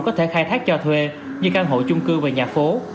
có thể khai thác cho thuê như căn hộ chung cư và nhà phố